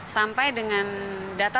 sampai dengan data